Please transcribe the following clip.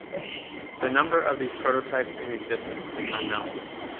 The number of these prototypes in existence is unknown.